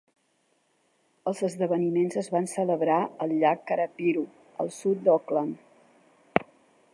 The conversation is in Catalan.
Els esdeveniments es van celebrar al llac Karapiro, al sud d'Auckland.